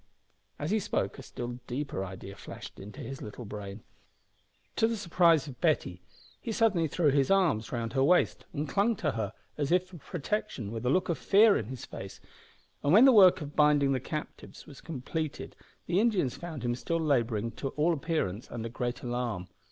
As he spoke a still deeper idea flashed into his little brain. To the surprise of Betty, he suddenly threw his arms round her waist and clung to her as if for protection with a look of fear in his face, and when the work of binding the captives was completed the Indians found him still labouring to all appearance under great alarm.